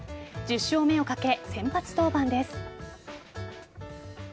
１０勝目をかけ先発登板です。